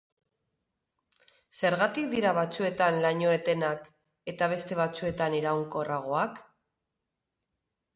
Zergatik dira batzuetan laino etenak, eta beste batzuetan iraunkorragoak?